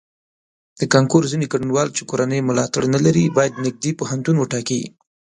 د کانکور ځینې ګډونوال چې کورنی ملاتړ نه لري باید نږدې پوهنتون وټاکي.